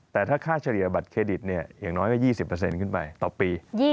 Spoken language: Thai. แต่ถ้าค่าเฉลี่ยบัตรเครดิตอย่างน้อยก็๒๐ขึ้นไปต่อปี